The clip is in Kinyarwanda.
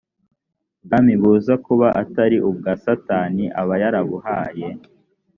bwami buza kuba atari ubwa satani aba yarabuhaye